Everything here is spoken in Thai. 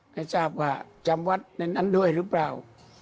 ให้ทราบว่าจำวัดในนั้นด้วยหรือเปล่า